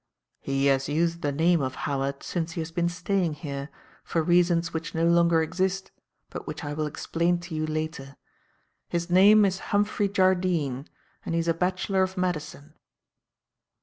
"He has used the name of Howard since he has been staying here, for reasons which no longer exist but which I will explain to you later. His name is Humphrey Jardine, and he is a bachelor of medicine."